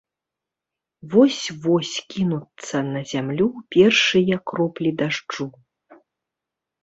Вось-вось кінуцца на зямлю першыя кроплі дажджу.